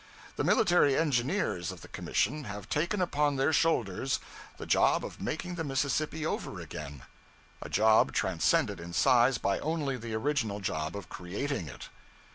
The military engineers of the Commission have taken upon their shoulders the job of making the Mississippi over again a job transcended in size by only the original job of creating it.